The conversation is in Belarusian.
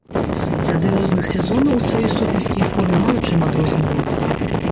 Дзяды розных сезонаў у сваёй сутнасці і форме мала чым адрозніваюцца.